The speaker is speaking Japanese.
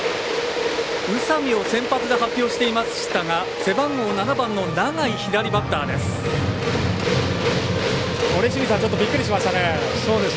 宇佐美を先発で発表していましたが背番号７番の永井左バッターです。